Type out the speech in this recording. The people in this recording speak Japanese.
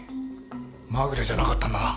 まぐれじゃなかったんだな。